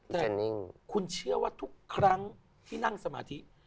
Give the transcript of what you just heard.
แต่คุณเชื่อว่าทุกครั้งที่นั่งสมาธิ